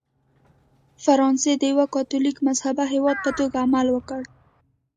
فرانسې د یوه کاتولیک مذهبه هېواد په توګه عمل وکړ.